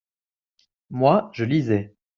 moi, je lisais.